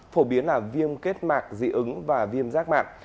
phổ biến là viêm kết mạc dị ứng và viêm rác mạc